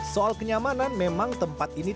soal kenyamanan memang tempat ini